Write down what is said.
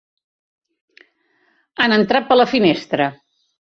Han entrat per la finestra.